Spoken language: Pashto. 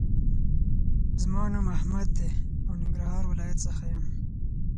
زما نوم احمد دې او ننګرهار ولایت څخه یم